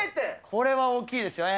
これは大きいですよね。